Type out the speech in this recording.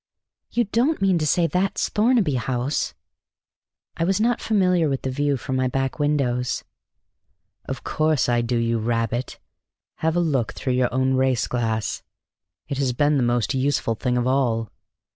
"You don't mean to say that's Thornaby House?" I was not familiar with the view from my back windows. "Of course I do, you rabbit! Have a look through your own race glass. It has been the most useful thing of all."